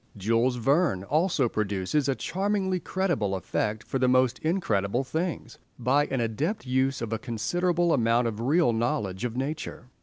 Jules Verne also produces a charmingly credible effect for the most incredible things by an adept use of a considerable amount of real knowledge of nature.